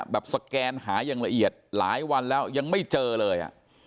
สแกนหาอย่างละเอียดหลายวันแล้วยังไม่เจอเลย